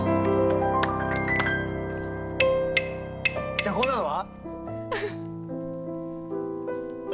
じゃあこんなのは？